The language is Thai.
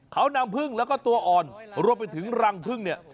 เขานำพึ่งแล้วก็ตัวอ่อนรวมไปถึงรังพึ่งเนี่ย